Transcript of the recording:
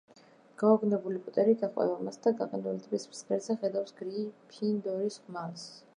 გაოგნებული პოტერი გაჰყვება მას და გაყინული ტბის ფსკერზე ხედავს გრიფინდორის ხმალს.